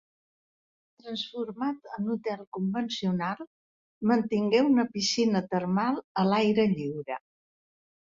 Transformat en hotel convencional, mantingué una piscina termal a l'aire lliure.